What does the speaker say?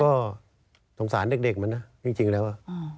ก็สงสารเด็กมันนะจริงแล้ว